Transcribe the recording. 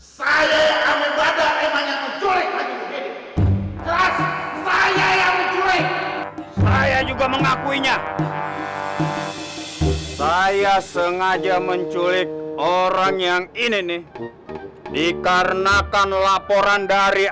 saya mencuri saya juga mengakuinya saya sengaja menculik orang yang ini nih dikarenakan laporan dari